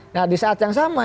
nah di saat yang sama